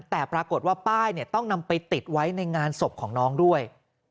แต่ปรากฏว่าป้ายต้องนำไปติดไว้ในงานศพของน้องด้วย